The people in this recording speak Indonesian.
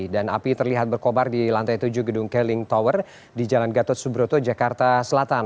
dan api terlihat berkobar di lantai tujuh gedung keling tower di jalan gatot subroto jakarta selatan